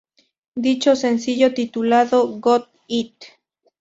Dicho sencillo, titulado "Got it!